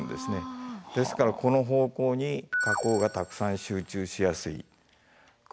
ですからこの方向に火口がたくさん集中しやすい。